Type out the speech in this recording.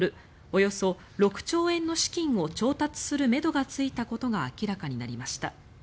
およそ６兆円の資金を調達するめどがついたことが明らかになりました。